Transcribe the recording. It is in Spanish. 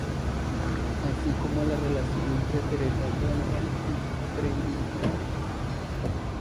Así como la relación entre Theresa Donovan y Brady Black.